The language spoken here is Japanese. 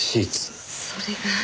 それが。